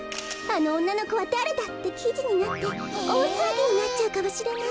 あのおんなのこはだれだ！？」ってきじになっておおさわぎになっちゃうかもしれない。